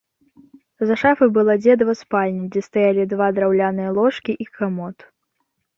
За шафай была дзедава спальня, дзе стаялі два драўляныя ложкі і камод.